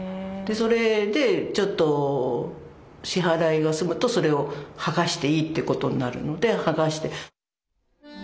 でそれでちょっと支払いが済むとそれを剥がしていいってことになるので剥がして。